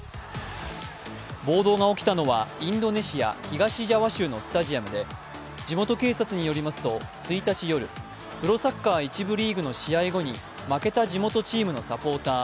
暴動が起きたのはインドネシア・東ジャワ州のスタジアムで地元警察によりますと１日夜プロサッカー１部リーグの試合後に負けた地元チームのサポーター